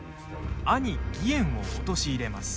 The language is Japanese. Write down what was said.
兄・義円を陥れます。